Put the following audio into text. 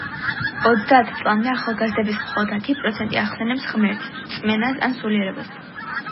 ოცდაათ წლამდე ახალგაზრდების მხოლოდ ათი პროცენტი ახსენებს ღმერთს, რწმენას, ან სულიერებას.